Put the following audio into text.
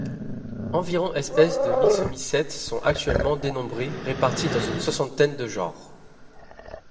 Environ espèces de myxomycètes sont actuellement dénombrées, réparties dans une soixantaine de genres.